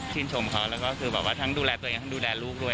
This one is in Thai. ชินชมเขาถ้าแบบทั้งดูแลตัวเองทั้งดูแลลูกด้วย